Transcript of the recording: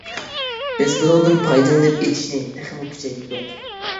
بىز بۇنىڭدىن پايدىلىنىپ ئېتىشنى تېخىمۇ كۈچەيتتۇق.